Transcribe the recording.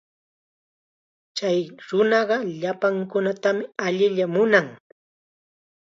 Chay nunaqa llapankunatam llalliya munan.